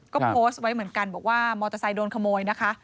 ก็โพสต์ไว้เหมือนกันบอกว่ามอเตอร์ไซค์โดนขโมยนะคะ